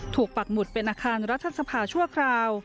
ปักหมุดเป็นอาคารรัฐสภาชั่วคราว